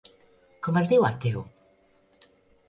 Com es diu el teu!?